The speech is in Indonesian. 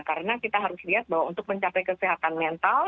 karena kita harus lihat bahwa untuk mencapai kesehatan mental